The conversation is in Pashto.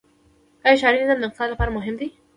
آیا ښاري نظم د اقتصاد لپاره مهم دی؟